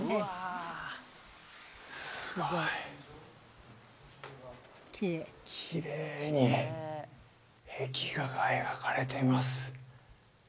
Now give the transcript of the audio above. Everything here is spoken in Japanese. すごいきれいに壁画が描かれています